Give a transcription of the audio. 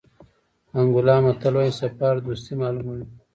انګولا متل وایي سفر دوستي معلوموي.